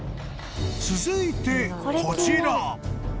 ［続いてこちら］